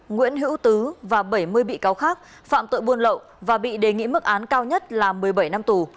nguyễn hữu tứ và bảy mươi bị cáo khác phạm tội buôn lậu và bị đề nghị mức án cao nhất là một mươi bảy năm tù